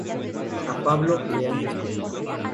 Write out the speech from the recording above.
A Pablo le han despedido.